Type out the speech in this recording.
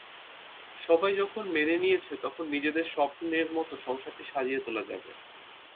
সবাই যখন মেনে নিয়েছে তখন নিজেদের স্বপ্নের মতো সংসারটি সাজিয়ে তোলা যাবে।